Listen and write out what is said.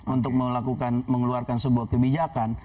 untuk melakukan mengeluarkan sebuah kebijakan